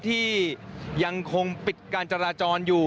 ที่ยังคงปิดการจราจรอยู่